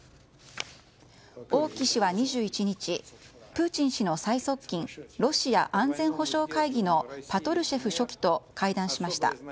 王毅氏は２１日プーチン氏の最側近ロシア安全保障会議のパトルシェフ書記と会談しました。